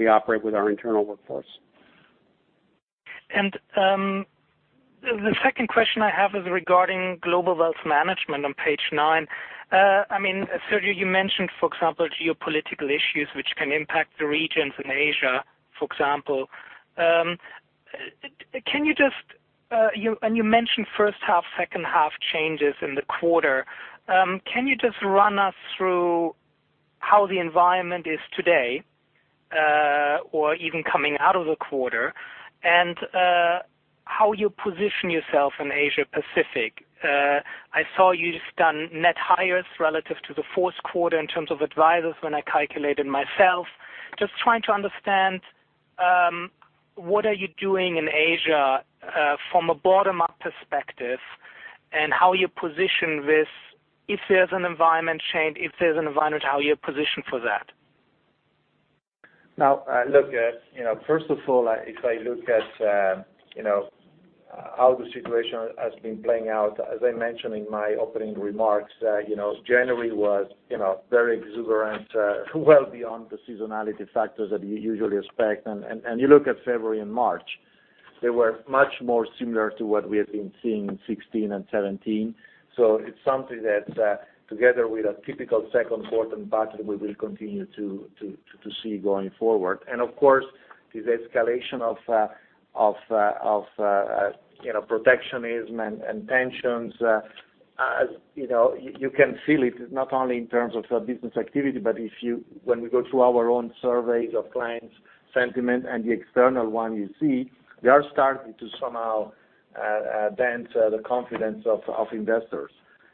operate with our internal workforce. The second question I have is regarding Global Wealth Management on page nine. Sergio, you mentioned, for example, geopolitical issues which can impact the regions in Asia, for example. You mentioned H1, H2 changes in the quarter. Can you just run us through how the environment is today, or even coming out of the quarter, and how you position yourself in Asia Pacific? I saw you've done net hires relative to the Q4 in terms of advisors when I calculated myself. Just trying to understand, what are you doing in Asia from a bottom-up perspective, and how you position this if there's an environment change, how you're positioned for that. Now, look. First of all, if I look at how the situation has been playing out, as I mentioned in my opening remarks, January was very exuberant, well beyond the seasonality factors that you usually expect. You look at February and March, they were much more similar to what we have been seeing in 2016 and 2017. It's something that, together with a typical Q2 pattern, we will continue to see going forward. Of course, this escalation of protectionism and tensions, you can feel it not only in terms of business activity, but when we go through our own surveys of clients' sentiment and the external one you see, they are starting to somehow dent the confidence of investors.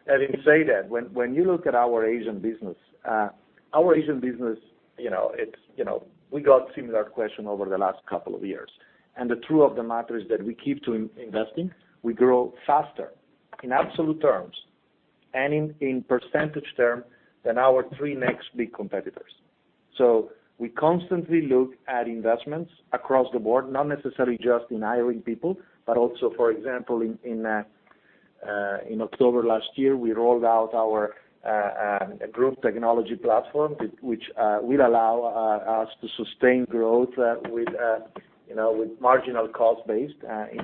Having said that, when you look at our Asian business, we got similar question over the last couple of years. The truth of the matter is that we keep to investing. We grow faster in absolute terms and in percentage terms than our three next big competitors. We constantly look at investments across the board, not necessarily just in hiring people, but also, for example, in October last year, we rolled out our improved technology platform, which will allow us to sustain growth with marginal cost base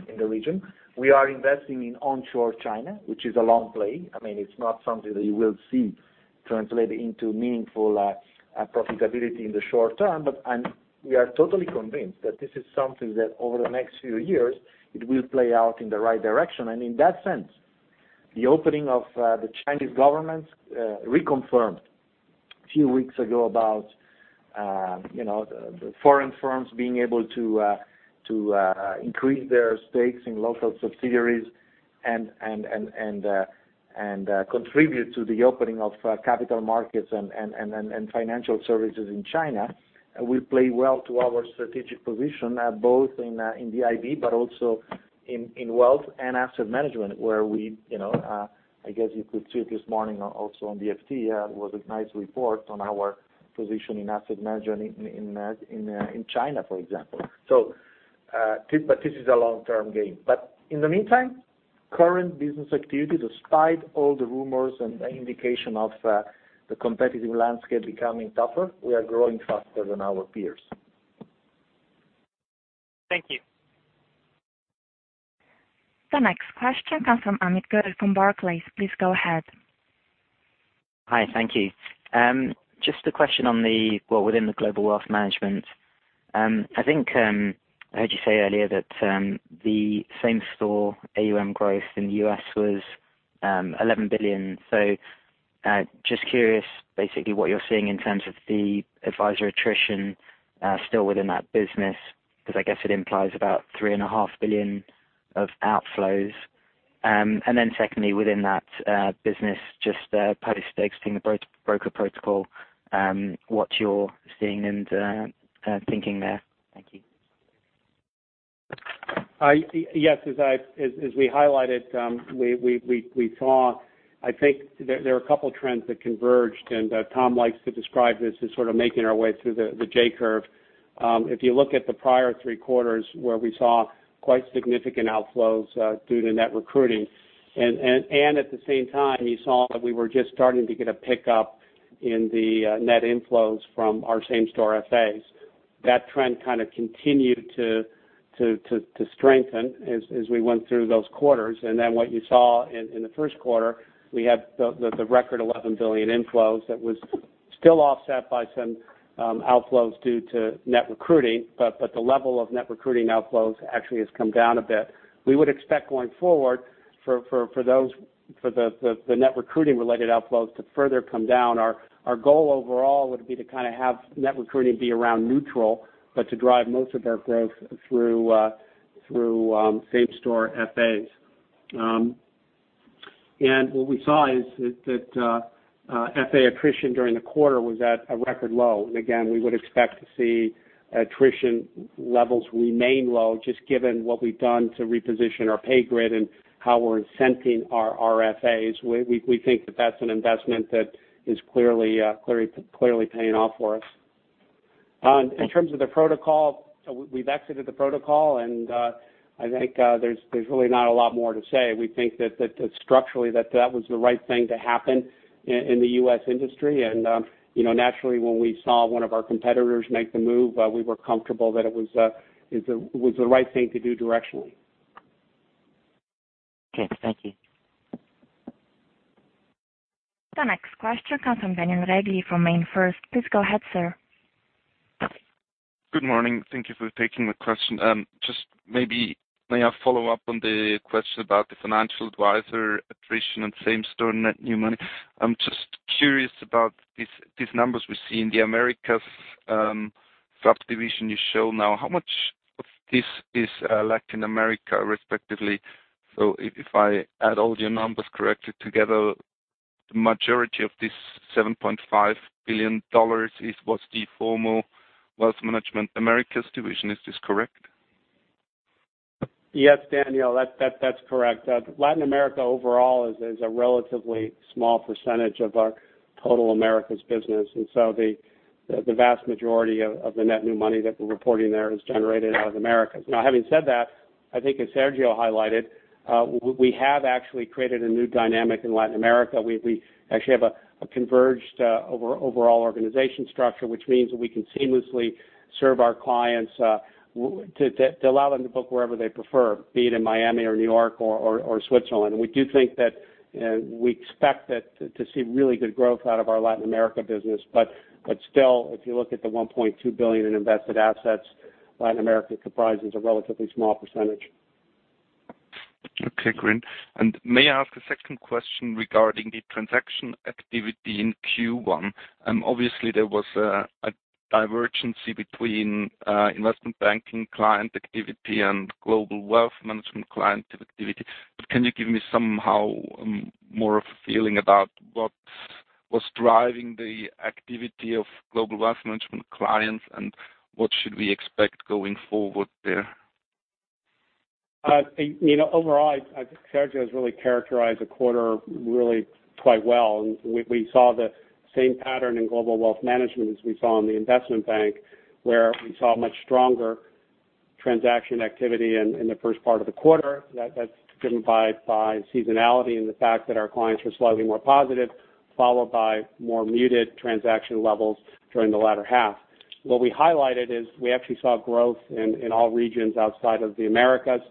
in the region. We are investing in onshore China, which is a long play. It's not something that you will see translate into meaningful profitability in the short term. We are totally convinced that this is something that over the next few years, it will play out in the right direction. In that sense, the opening of the Chinese government reconfirmed a few weeks ago about the foreign firms being able to increase their stakes in local subsidiaries and contribute to the opening of capital markets and financial services in China will play well to our strategic position, both in the IB, but also in wealth and asset management, where we, I guess you could see it this morning also on the FT, there was a nice report on our position in asset management in China, for example. This is a long-term game. In the meantime, current business activity, despite all the rumors and indication of the competitive landscape becoming tougher, we are growing faster than our peers. Thank you. The next question comes from Amit Goel from Barclays. Please go ahead. Hi, thank you. Just a question within the Global Wealth Management. I think I heard you say earlier that the same-store AUM growth in the U.S. was 11 billion. Just curious, basically what you're seeing in terms of the advisor attrition still within that business, because I guess it implies about three and a half billion of outflows. Secondly, within that business, just post-exiting the broker protocol, what you're seeing and thinking there. Thank you. Yes, as we highlighted, I think there are a couple trends that converged, and Tom likes to describe this as sort of making our way through the J-curve. If you look at the prior three quarters where we saw quite significant outflows due to net recruiting, and at the same time, you saw that we were just starting to get a pickup in the net inflows from our same-store FAs. That trend kind of continued to strengthen as we went through those quarters. What you saw in the Q1, we had the record 11 billion inflows that was still offset by some outflows due to net recruiting, but the level of net recruiting outflows actually has come down a bit. We would expect going forward for the net recruiting-related outflows to further come down. Our goal overall would be to kind of have net recruiting be around neutral, but to drive most of our growth through same-store FAs. What we saw is that FA attrition during the quarter was at a record low. Again, we would expect to see attrition levels remain low, just given what we've done to reposition our pay grid and how we're incenting our FAs. We think that that's an investment that is clearly paying off for us. In terms of the protocol, we've exited the protocol, and I think there's really not a lot more to say. We think that structurally that was the right thing to happen in the U.S. industry. Naturally, when we saw one of our competitors make the move, we were comfortable that it was the right thing to do directionally. Okay. Thank you. The next question comes from Daniel Regli from MainFirst. Please go ahead, sir. Good morning. Thank you for taking the question. Just maybe, may I follow up on the question about the financial advisor attrition and same-store net new money? I'm just curious about these numbers we see in the Americas subdivision you show now. How much of this is Latin America respectively? If I add all your numbers correctly together, the majority of this CHF 7.5 billion was the formal Wealth Management Americas division. Is this correct? Yes, Daniel, that's correct. Latin America overall is a relatively small percentage of our total Americas business. The vast majority of the net new money that we're reporting there is generated out of Americas. Having said that, I think as Sergio highlighted, we have actually created a new dynamic in Latin America. We actually have a converged overall organization structure, which means that we can seamlessly serve our clients to allow them to book wherever they prefer, be it in Miami or New York or Switzerland. We do think that we expect to see really good growth out of our Latin America business. But still, if you look at the 1.2 billion in invested assets, Latin America comprises a relatively small percentage. Okay, great. May I ask a second question regarding the transaction activity in Q1? Obviously, there was a divergence between Investment Banking client activity and Global Wealth Management client activity. Can you give me somehow more of a feeling about what was driving the activity of Global Wealth Management clients, and what should we expect going forward there? Overall, I think Sergio has really characterized the quarter really quite well. We saw the same pattern in Global Wealth Management as we saw in the Investment Bank, where we saw much stronger transaction activity in the first part of the quarter. That's driven by seasonality and the fact that our clients were slightly more positive, followed by more muted transaction levels during the latter half. What we highlighted is we actually saw growth in all regions outside of the Americas,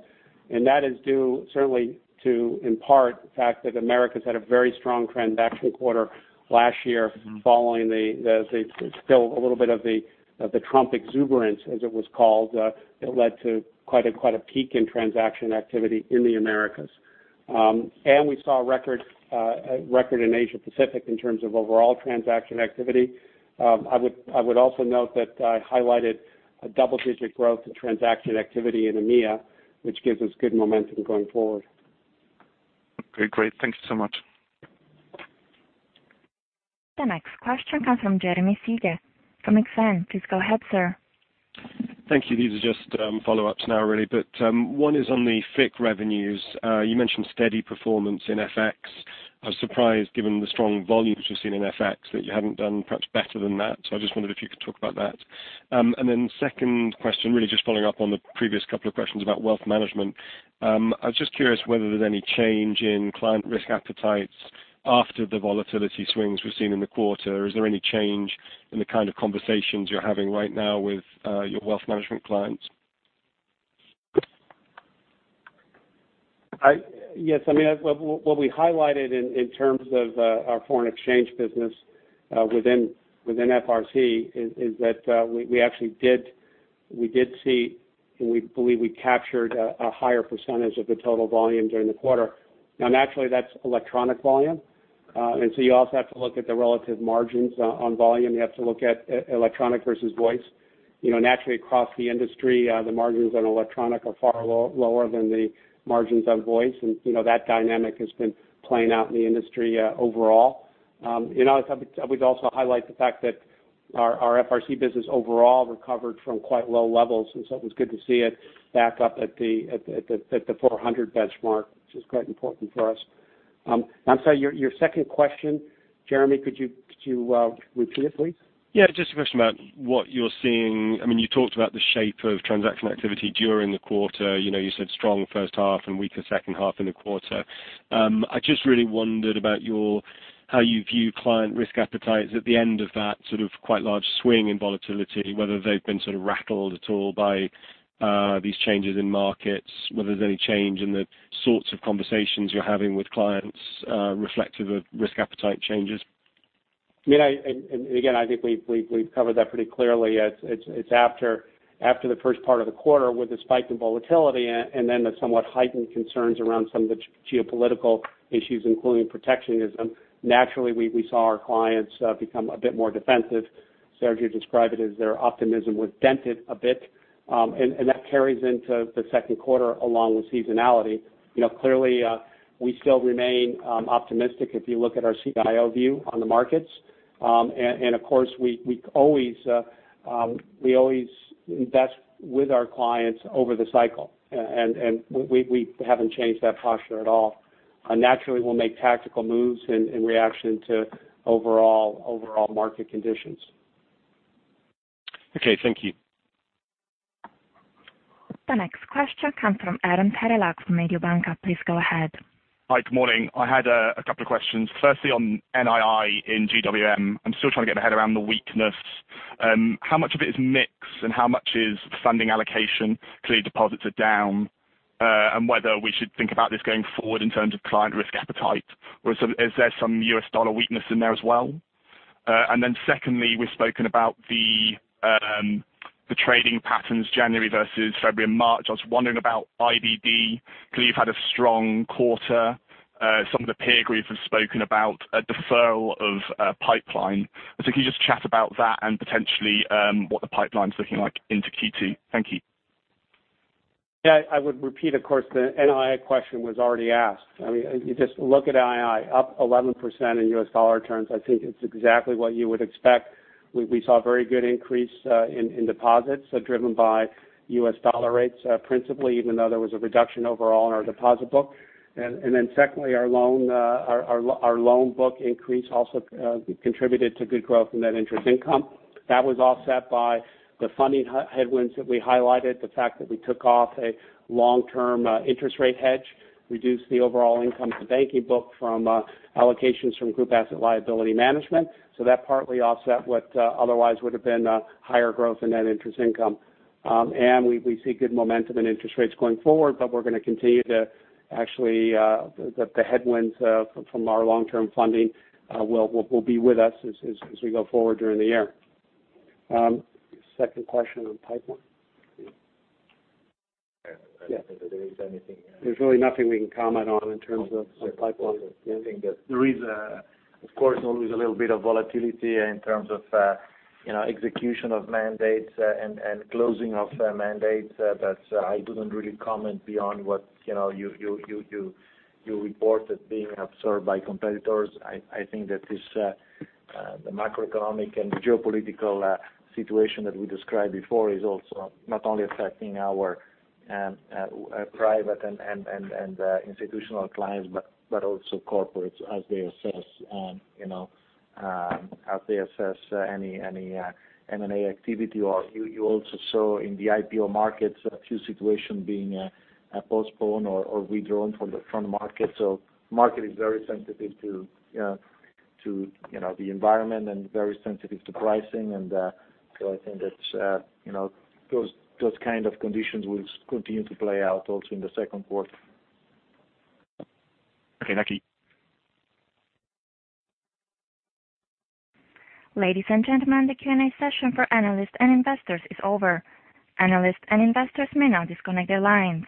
and that is due certainly to, in part, the fact that Americas had a very strong transaction quarter last year following the Still a little bit of the Trump exuberance, as it was called, that led to quite a peak in transaction activity in the Americas. We saw a record in Asia Pacific in terms of overall transaction activity. I would also note that I highlighted a double-digit growth in transaction activity in EMEA, which gives us good momentum going forward. Okay, great. Thank you so much. The next question comes from Jeremy Sigee from Exane. Please go ahead, sir. Thank you. These are just follow-ups now, really. One is on the FICC revenues. You mentioned steady performance in FX. I was surprised, given the strong volumes we've seen in FX, that you haven't done perhaps better than that. I just wondered if you could talk about that. Second question, really just following up on the previous couple of questions about wealth management. I was just curious whether there's any change in client risk appetites after the volatility swings we've seen in the quarter. Is there any change in the kind of conversations you're having right now with your wealth management clients? Yes. What we highlighted in terms of our foreign exchange business within FICC is that we actually did see, and we believe we captured a higher percentage of the total volume during the quarter. Naturally, that's electronic volume. You also have to look at the relative margins on volume. You have to look at electronic versus voice. Naturally, across the industry, the margins on electronic are far lower than the margins on voice, and that dynamic has been playing out in the industry overall. I would also highlight the fact that our FICC business overall recovered from quite low levels. It was good to see it back up at the 400 benchmark, which is quite important for us. I'm sorry, your second question, Jeremy, could you repeat it, please? Just a question about what you're seeing. You talked about the shape of transaction activity during the quarter. You said strong H1 and weaker H2 in the quarter. I just really wondered about how you view client risk appetites at the end of that sort of quite large swing in volatility, whether they've been sort of rattled at all by these changes in markets, whether there's any change in the sorts of conversations you're having with clients reflective of risk appetite changes. Again, I think we've covered that pretty clearly. It's after the first part of the quarter with a spike in volatility and then the somewhat heightened concerns around some of the geopolitical issues, including protectionism. Naturally, we saw our clients become a bit more defensive. Sergio described it as their optimism was dented a bit. That carries into the Q2 along with seasonality. Clearly, we still remain optimistic if you look at our CIO view on the markets. Of course, we always invest with our clients over the cycle, and we haven't changed that posture at all. Naturally, we'll make tactical moves in reaction to overall market conditions. Okay, thank you. The next question comes from Adam Terelak from Mediobanca. Please go ahead. Hi, good morning. I had a couple of questions. Firstly, on NII in GWM. I'm still trying to get my head around the weakness. How much of it is mix and how much is funding allocation? Clearly deposits are down. Whether we should think about this going forward in terms of client risk appetite, or is there some U.S. dollar weakness in there as well? Then secondly, we've spoken about the trading patterns January versus February and March. I was wondering about IBD, because you've had a strong quarter. Some of the peer group have spoken about a deferral of pipeline. Can you just chat about that and potentially what the pipeline's looking like into Q2? Thank you. Yeah, I would repeat, of course, the NII question was already asked. I mean, you just look at NII up 11% in US dollar terms. I think it's exactly what you would expect. We saw a very good increase in deposits driven by US dollar rates principally, even though there was a reduction overall in our deposit book. Secondly, our loan book increase also contributed to good growth in net interest income. That was offset by the funding headwinds that we highlighted, the fact that we took off a long-term interest rate hedge, reduced the overall income to banking book from allocations from Group Asset Liability Management. That partly offset what otherwise would have been higher growth in net interest income. We see good momentum in interest rates going forward, but Actually, the headwinds from our long-term funding will be with us as we go forward during the year. Second question on pipeline. I don't think that there is anything. There's really nothing we can comment on in terms of pipeline. There is, of course, always a little bit of volatility in terms of execution of mandates and closing of mandates. I wouldn't really comment beyond what you reported being observed by competitors. I think that the macroeconomic and geopolitical situation that we described before is also not only affecting our private and institutional clients, but also corporates as they assess any M&A activity. You also saw in the IPO markets a few situations being postponed or withdrawn from market. The market is very sensitive to the environment and very sensitive to pricing. I think that those kind of conditions will continue to play out also in the Q2. Okay. Thank you. Ladies and gentlemen, the Q&A session for analysts and investors is over. Analysts and investors may now disconnect their lines.